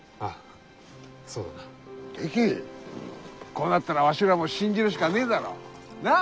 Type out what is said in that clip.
こうなったらわしらも信じるしかねえだろ。なあ？